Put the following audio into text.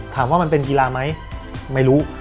ถามว่ามันเป็นกีฬาไหมไม่รู้